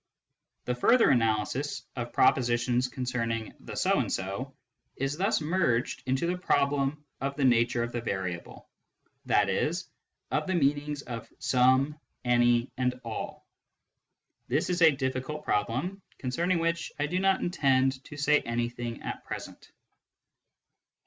The further analysis of propositions concerning " the so and so " is thus merged in the problem of the nature of the variable, i e. of the meanings of some, any, and all. This is a difficult problem, concerning which I do not intend to say anything at present.